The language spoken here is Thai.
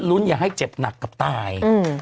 อย่าให้เจ็บหนักกับตาย